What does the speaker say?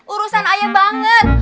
urusan ayah banget